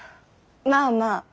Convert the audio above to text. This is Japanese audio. まあまあ。